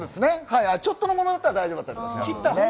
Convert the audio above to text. ちょっとのものだったら大丈夫です。